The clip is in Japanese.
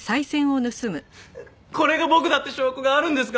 これが僕だって証拠があるんですか！